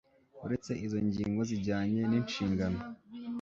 uretse izo ngingo zijyanye n'inshingano